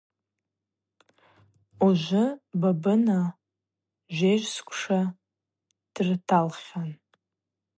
Ужвы Бабына жвежвсквша дырталхьан.